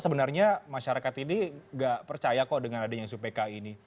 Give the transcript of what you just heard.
sebenarnya masyarakat ini nggak percaya kok dengan adanya isu pki ini